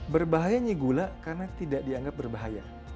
berbahayanya gula karena tidak dianggap berbahaya